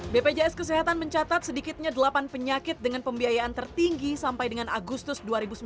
bpjs kesehatan mencatat sedikitnya delapan penyakit dengan pembiayaan tertinggi sampai dengan agustus dua ribu sembilan belas